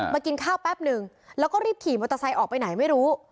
กินข้าวแป๊บนึงแล้วก็รีบขี่มอเตอร์ไซค์ออกไปไหนไม่รู้